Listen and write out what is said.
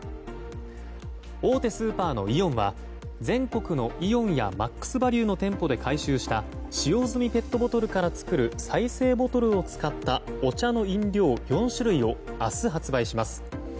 大手スーパーのイオンは全国のイオンやマックスバリュの店舗で回収した使用済みペットボトルから作る再生ボトルを使ったお茶の飲料４種類を明日発売します。